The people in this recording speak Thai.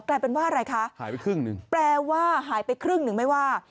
แปลเป็นว่าอะไรคะแปลว่าหายไปครึ่งหนึ่งไม่ว่า